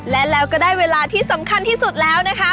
และแล้วก็ได้เวลาที่สำคัญที่สุดแล้วนะคะ